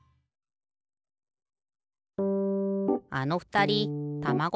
あのふたりたまご